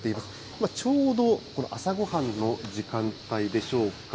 今ちょうど、朝ごはんの時間帯でしょうか。